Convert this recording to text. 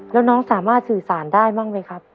แล้วน้องสามารถสื่อสารได้บ้างไหมครับ